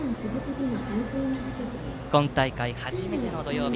今大会初めての土曜日。